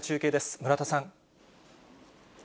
村田さん。